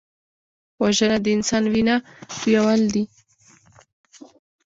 وژنه د انسان وینه تویول دي